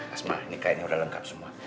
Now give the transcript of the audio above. asma ini kayaknya udah lengkap semua